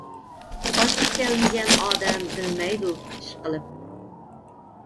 باشقا كەلمىگەن ئادەم بىلمەيدۇ، ئىشقىلىپ.